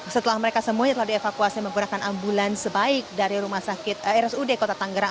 setelah mereka semuanya telah dievakuasi menggunakan ambulans baik dari rumah sakit rsud kota tanggerang